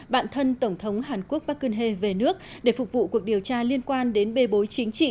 bạn thân tổng thống hàn quốc park geun hye về nước để phục vụ cuộc điều tra liên quan đến bê bối